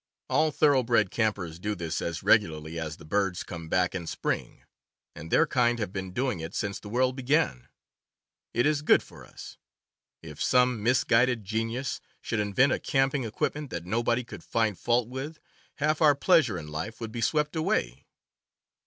All thoroughbred campers do this as regularly as the birds come back in spring, and their kind have been doing it since the world began. It is good for us. If some misguided genius should invent a camping equipment that nobody could find fault with, half our pleasure in life would be swept away.